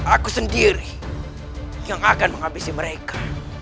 aku sendiri yang akan menghabisi mereka